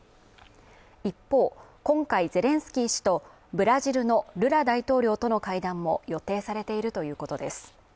一方今回ゼレンスキー氏とブラジルのルラ大統領との会談も予定されているということです